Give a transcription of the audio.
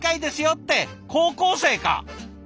って高校生か！